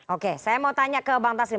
oke saya mau tanya ke bang taslim